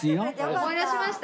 思い出しました？